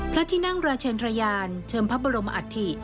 พระที่นั่งราชเชนทรยานเชิญพระบรมอัฐิ